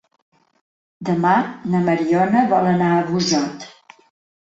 Demà na Mariona vol anar a Busot.